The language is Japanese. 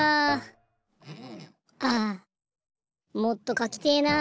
ああもっとかきてえな。